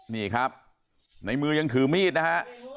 นี่ครับในมือยังถือมีดนะฮะ